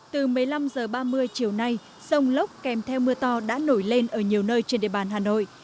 từ một mươi năm h ba mươi chiều nay sông lốc kèm theo mưa to đã nổi lên ở nhiều nơi trên địa bàn hà nội